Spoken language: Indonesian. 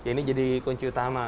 ini jadi kunci utama